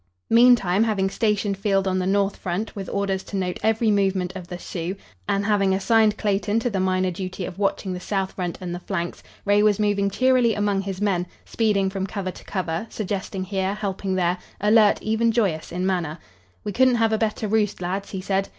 Meantime, having stationed Field on the north front, with orders to note every movement of the Sioux, and having assigned Clayton to the minor duty of watching the south front and the flanks, Ray was moving cheerily among his men, speeding from cover to cover, suggesting here, helping there, alert, even joyous in manner. "We couldn't have a better roost, lads," he said.